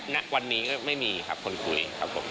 ณวันนี้ก็ไม่มีครับคนคุยครับผม